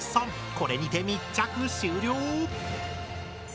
これにて密着終了！